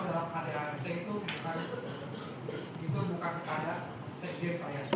kalau karya arti itu kemudian itu itu bukan pada sekjadar yang pasti terkenal